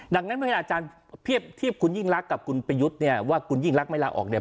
ดังนั้นเมื่ออาจารย์เทียบคุณยิ่งรักกับคุณประยุทธ์เนี่ยว่าคุณยิ่งรักไม่ลาออกเนี่ย